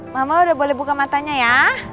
mama udah boleh buka matanya ya